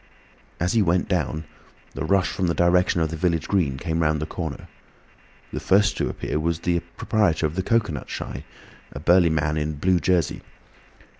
As he went down, the rush from the direction of the village green came round the corner. The first to appear was the proprietor of the cocoanut shy, a burly man in a blue jersey.